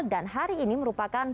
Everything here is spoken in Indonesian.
dan hari ini merupakan